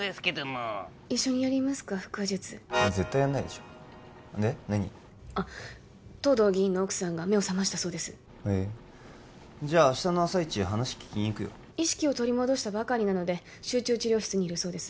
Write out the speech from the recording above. あっ藤堂議員の奥さんが目を覚ましたそうですへえじゃ明日の朝一話聞きに行くよ意識を取り戻したばかりなので集中治療室にいるそうです